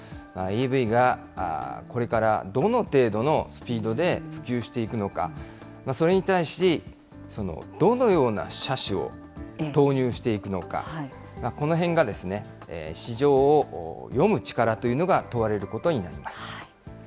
ＥＶがこれからどの程度のスピードで普及していくのか、それに対し、どのような車種を投入していくのか、このへんが市場を読む力というのが問われることになります。